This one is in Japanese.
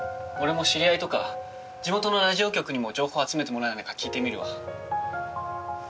俺も知り合いとか地元のラジオ局にも情報集めてもらえないか聞いてみるわ。